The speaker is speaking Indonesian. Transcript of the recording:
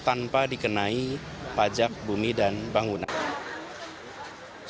tanpa dikenai pajak bumi dan bangunan